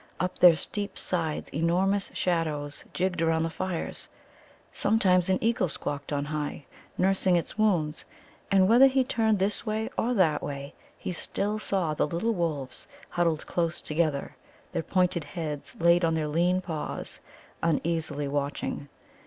Up their steep sides enormous shadows jigged around the fires. Sometimes an eagle squawked on high, nursing its wounds. And whether he turned this way or that way he still saw the little wolves huddled close together, their pointed heads laid on their lean paws, uneasily watching.